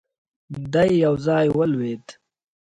دی يو ځای ولوېد.